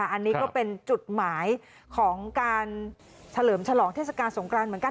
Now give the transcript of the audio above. อันนี้ก็เป็นจุดหมายของการเฉลิมฉลองเทศกาลสงครานเหมือนกัน